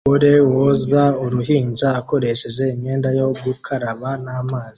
Umugore woza uruhinja akoresheje imyenda yo gukaraba n'amazi